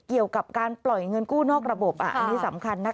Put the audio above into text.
เกี่ยวกับการปล่อยเงินกู้นอกระบบอันนี้สำคัญนะคะ